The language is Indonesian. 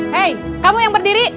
hey kamu yang berdiri